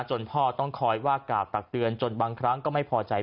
พ่อต้องคอยว่ากราบตักเตือนจนบางครั้งก็ไม่พอใจ